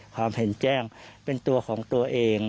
ความเห็นแจ้งเป็นตัวของตัวเอง